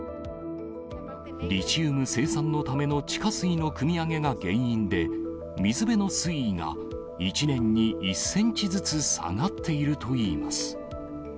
リチウム生産のための地下水のくみ上げが原因で、水辺の水位が１年に１センチずつ下がっているといいます。